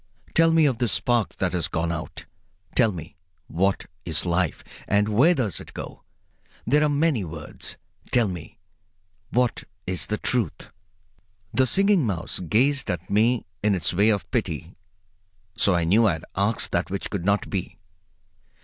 Tell me of this spark that has gone out. Tell me, what is life, and where does it go? There are many words. Tell me, what is the Truth?" The Singing Mouse gazed at me in its way of pity, so I knew I had asked that which could not be.